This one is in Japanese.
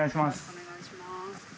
お願いします。